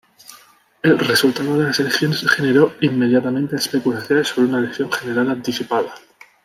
El resultado de las elecciones generó inmediatamente especulaciones sobre una elección general anticipada.